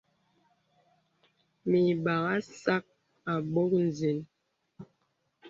Mə ìbàghā sàk àbok zìnə.